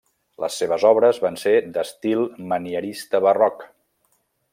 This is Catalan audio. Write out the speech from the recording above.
Les seves obres van ser d'estil manierista- barroc.